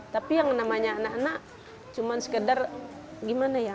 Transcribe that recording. tapi yang namanya anak anak cuman sekedar gimana ya